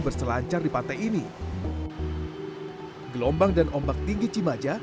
tapi setelah itu selancar diantara warga lokal